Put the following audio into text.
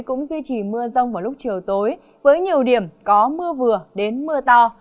cũng duy trì mưa rông vào lúc chiều tối với nhiều điểm có mưa vừa đến mưa to